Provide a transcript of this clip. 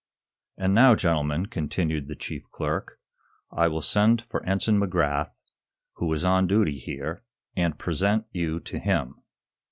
"And now, gentlemen," continued the chief clerk, "I will send for Ensign McGrath, who is on duty here, and present you to him.